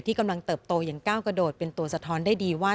กำลังเติบโตอย่างก้าวกระโดดเป็นตัวสะท้อนได้ดีว่า